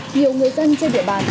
nhiều người dân trên địa bàn